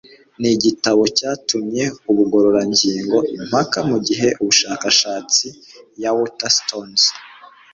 Ni igitabo yatumye ubugororangingo impaka mu igihe ubushakashatsi ya waterstones